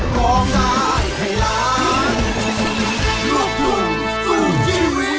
ขอโทษต่อไป